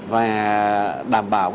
và đảm bảo